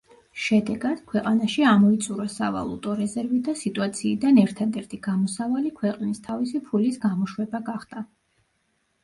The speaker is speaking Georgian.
შედეგად, ქვეყანაში ამოიწურა სავალუტო რეზერვი და სიტუაციიდან ერთადერთი გამოსავალი ქვეყნის თავისი ფულის გამოშვება გახდა.